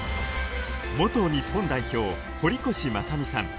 元日本代表・堀越正己さん。